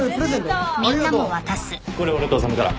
これ俺と修から。